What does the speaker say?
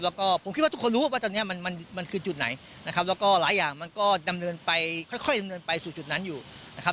แล้วก็ผมคิดว่าทุกคนรู้ว่าตอนนี้มันมันคือจุดไหนนะครับแล้วก็หลายอย่างมันก็ดำเนินไปค่อยดำเนินไปสู่จุดนั้นอยู่นะครับ